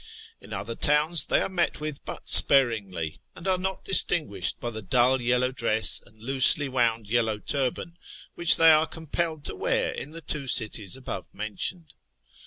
In other towns they are met with but sparingly, and are not distinguished by the dull yellow dress and loosely wound yellow turban which they are compelled to wear in the two cities above mentioned.